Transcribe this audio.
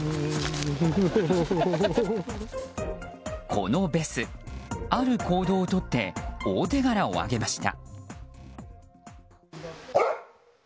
このベス、ある行動をとって大手柄をあげました。